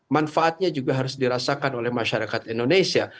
manfaatnya juga harus dirasakan oleh masyarakat indonesia